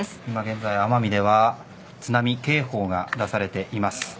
今現在、奄美では津波警報が出されています。